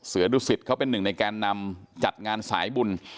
เสือดุสิตเขาเป็นหนึ่งในแกนนำจัดงานสายบุญ